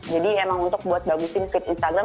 jadi emang untuk buat bagusin fit instagram